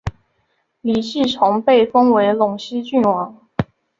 李继崇被封为陇西郡王。